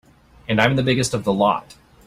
And I'm the biggest of the lot.